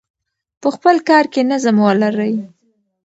په خپل کار کې نظم ولرئ.